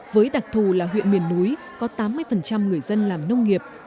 với đặc thù là huyện miền núi có tám mươi người dân làm nông nghiệp